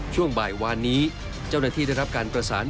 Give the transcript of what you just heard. ช่วงบ่ายวานนี้เจ้าหน้าที่ได้รับการประสาน